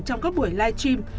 trong các buổi live stream